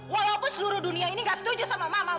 walaupun seluruh dunia ini gak setuju sama mama